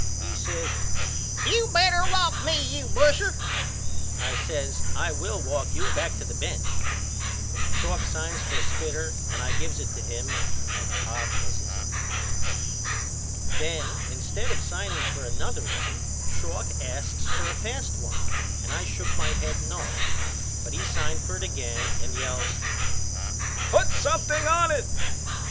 He says You better walk me you busher. I says I will walk you back to the bench. Schalk signs for a spitter and I gives it to him and Cobb misses it. Then instead of signing for another one Schalk asks for a fast one and I shook my head no but he signed for it again and yells Put something on it.